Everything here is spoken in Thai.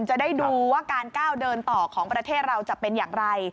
จะได้ดูว่าการก้าวเดินต่อของประเทศเราจะเป็นอย่างไร